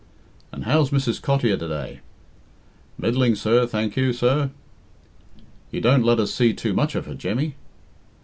"And how's Mrs. Cottier to day?" "Middling, sir, thank you, sir.'' "You don't let us see too much of her, Jemmy."